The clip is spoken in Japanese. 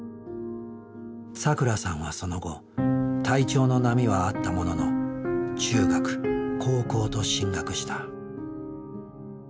さくらさんはその後体調の波はあったものの中学高校と進学した。